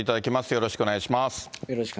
よろしくお願いします。